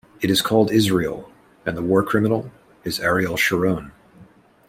It is called Israel, and the war criminal is Ariel Sharon.